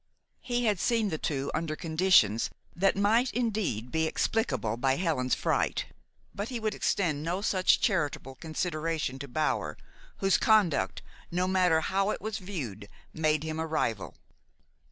He had seen the two under conditions that might, indeed, be explicable by Helen's fright; but he would extend no such charitable consideration to Bower, whose conduct, no matter how it was viewed, made him a rival.